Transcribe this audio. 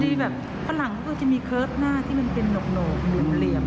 แบบฝรั่งก็จะมีเคิร์ตหน้าที่มันเป็นโหนกเหลี่ยม